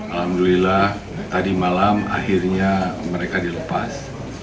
alhamdulillah tadi malam akhirnya mereka dilepas